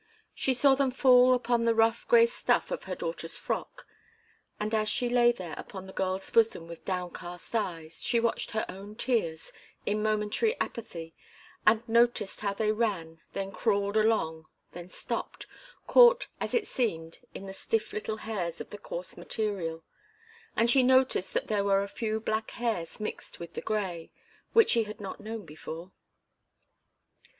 She saw them fall upon the rough grey stuff of her daughter's frock, and as she lay there upon the girl's bosom with downcast eyes, she watched her own tears, in momentary apathy, and noticed how they ran, then crawled along, then stopped, caught as it seemed in the stiff little hairs of the coarse material and she noticed that there were a few black hairs mixed with the grey, which she had not known before.